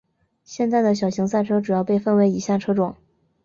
现在的小型赛车主要被分为以下车种。